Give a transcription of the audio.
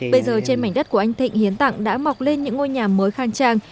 bây giờ trên mảnh đất của anh thịnh hiến tặng đã mọc lên những ngôi nhà mới khang trang